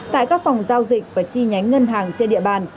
tại các phòng giao dịch và chi nhánh ngân hàng trên địa bàn